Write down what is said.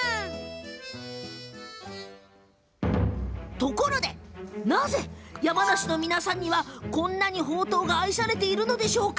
ところで、なぜ山梨の皆さんにこんなに、ほうとうが愛されているのでしょうか。